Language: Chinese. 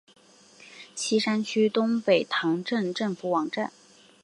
锡山区东北塘镇政府网站